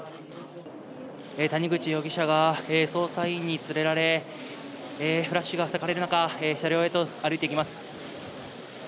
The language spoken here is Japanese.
谷口容疑者が捜査員に連れられ、フラッシュがたかれる中、車両へと歩いていきます。